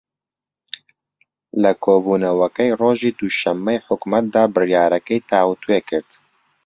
لە کۆبوونەوەکەی ڕۆژی دووشەممەی حکوومەتدا بڕیارەکەی تاووتوێ کرد